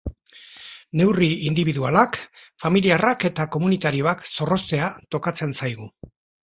Neurri indibidualak, familiarrak eta komunitarioak zorroztea tokatzen zaigu.